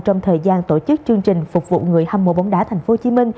trong thời gian tổ chức chương trình phục vụ người hâm mộ bóng đá tp hcm